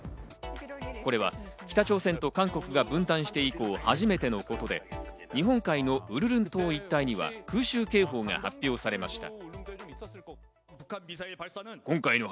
これは北朝鮮と韓国が分断して以降、初めてのことで、日本海のウルルン島一帯には空襲警報が発表されました。